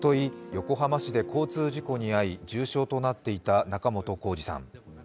横浜市で交通事故に遭い重傷となっていた仲本工事さん。